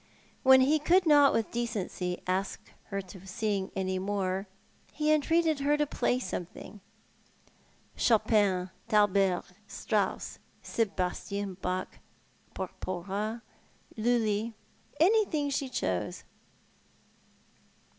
"When he could not with decency ask her to sing any more, he entreated her to play something — Chopin, Thalberg, Strauss, Sebastian Bach, Porpora, Lulli — anything she chose.